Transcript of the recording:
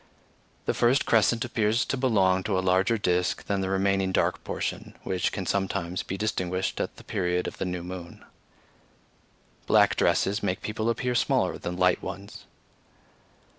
The first crescent appears to belong to a larger disk than the remaining dark portion, which can sometimes be distinguished at the period of the new moon. Black dresses make people appear smaller than light ones.